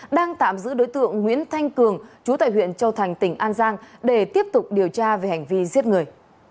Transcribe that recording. đang tạm giữ đối tượng nguyễn thanh cường chú tại huyện châu thành tỉnh an giang để tiếp tục điều tra về hành vi giết người